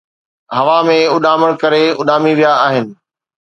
ھوا ۾ اڏامڻ ڪري اُڏامي ويا آھن